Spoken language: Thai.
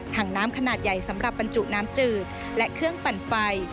ถังน้ำขนาดใหญ่สำหรับบรรจุน้ำจืดและเครื่องปั่นไฟ